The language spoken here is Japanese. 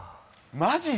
マジで？